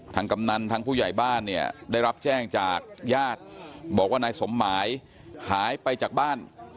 กำนันทางผู้ใหญ่บ้านเนี่ยได้รับแจ้งจากญาติบอกว่านายสมหมายหายไปจากบ้าน